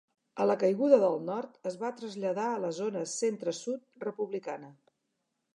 A la caiguda del Nord es va traslladar a la zona centre-sud republicana.